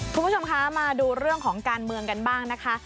คุณผู้ชมคะมาดูเรื่องของการเมืองกันบ้างนะคะ